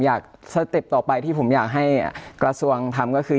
สเต็ปต่อไปที่ผมอยากให้กระทรวงทำก็คือ